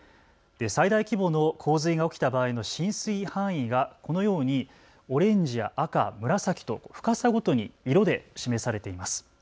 最大規模の洪水が起きた場合の浸水範囲が、このようにオレンジや赤、紫と深さごとに色で示されています。